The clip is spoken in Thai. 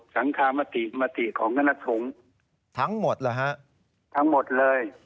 สังคามติของคณะสงฆ์ทั้งหมดเลย